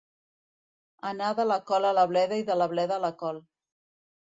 Anar de la col a la bleda i de la bleda a la col.